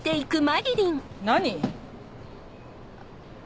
何？